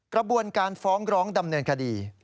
กระบวนการฟ้องร้องดำเนินคดี